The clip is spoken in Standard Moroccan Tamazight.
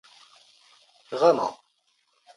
ⵖⴰⵎⴰ!